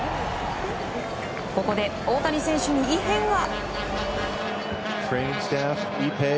ここで大谷選手に異変が。